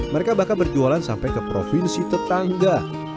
mereka bakal berjualan sampai ke provinsi tetangga